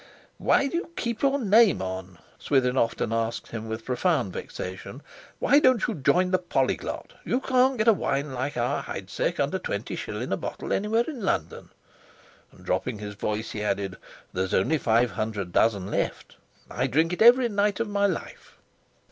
"Why do you keep your name on?" Swithin often asked him with profound vexation. "Why don't you join the 'Polyglot'. You can't get a wine like our Heidsieck under twenty shillin' a bottle anywhere in London;" and, dropping his voice, he added: "There's only five hundred dozen left. I drink it every night of my life."